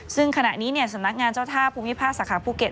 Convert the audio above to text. ซึ่งขณะนี้สำนักงานเจ้าท่าภูมิภาคสาขาภูเก็ต